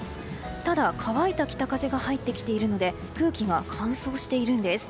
ただ、乾いた北風が入ってきているので空気が乾燥しているんです。